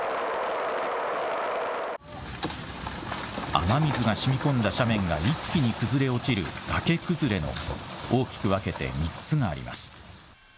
雨水がしみこんだ斜面が一気に崩れ落ちる崖崩れの大きく分けて３つがあります。